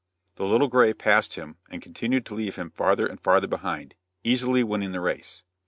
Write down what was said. The Little Gray passed him and continued to leave him farther and farther behind, easily winning the race.